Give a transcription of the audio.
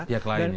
pihak lain ya